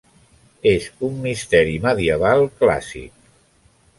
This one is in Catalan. És un misteri medieval clàssic.